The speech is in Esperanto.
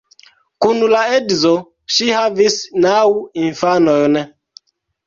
Kun la edzo ŝi havis naŭ infanojn.